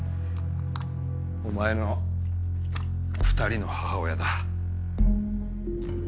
お前の２人の母親だ。